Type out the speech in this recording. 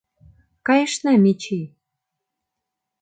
Кайышна, Мичий.